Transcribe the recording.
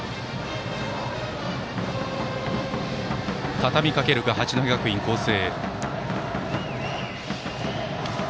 たたみかけるか八戸学院光星。